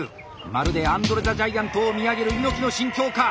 まるでアンドレ・ザ・ジャイアントを見上げる猪木の心境か！